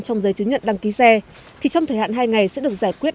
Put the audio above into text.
trong giấy chứng nhận đăng ký xe thì trong thời hạn hai ngày sẽ được giải quyết